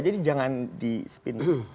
jadi jangan di spin